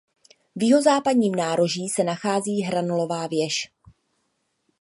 V jihozápadním nároží se nachází hranolová věž.